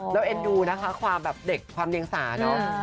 แล้วเอ็นดูนะคะความแบบเด็กความเรียงสาเนอะ